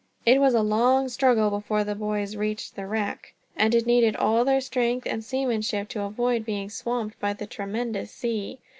It was a long struggle before the boys reached the wreck, and it needed all their strength and seamanship to avoid being swamped by the tremendous seas.